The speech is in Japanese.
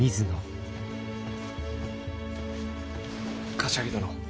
柏木殿。